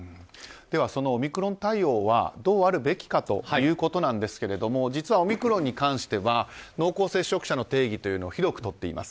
そのオミクロン対応はどうあるべきかということなんですが実はオミクロンに関しては濃厚接触者の定義というのを広くとっています。